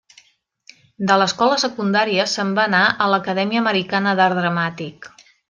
De l'escola secundària se'n va anar a l'Acadèmia Americana d'Art Dramàtic.